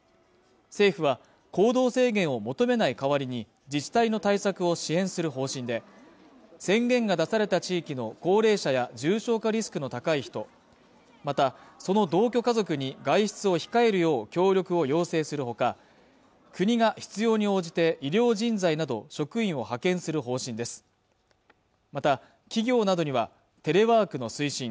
政府は行動制限を求めない代わりに自治体の対策を支援する方針で宣言が出された地域の高齢者や重症化リスクの高い人またその同居家族に外出を控えるよう協力を要請するほか国が必要に応じて医療人材など職員を派遣する方針ですまた企業などにはテレワークの推進